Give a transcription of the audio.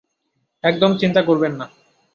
একদম চিন্তা করবেন না!